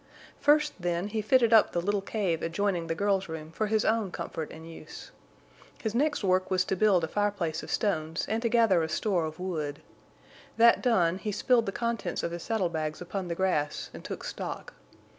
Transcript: First, then, he fitted up the little cave adjoining the girl's room for his own comfort and use. His next work was to build a fireplace of stones and to gather a store of wood. That done, he spilled the contents of his saddle bags upon the grass and took stock.